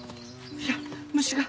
いや虫が。